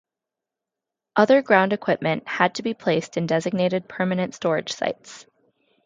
Other ground equipment had to be place in designated permanent storage sites.